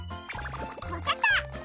わかった！